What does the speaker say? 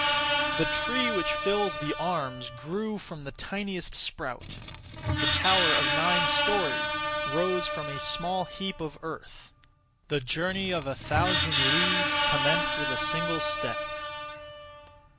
The tree which fills the arms grew from the tiniest sprout; the tower of nine storeys rose from a (small) heap of earth; the journey of a thousand li commenced with a single step.